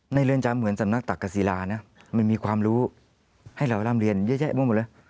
เรือนจำเหมือนสำนักตักกษีลานะมันมีความรู้ให้เราร่ำเรียนเยอะแยะไปหมดเลย